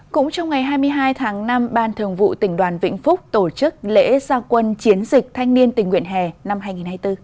cũng trong ngày hai mươi hai tháng năm ban thường vụ tỉnh đoàn vĩnh phúc tổ chức lễ gia quân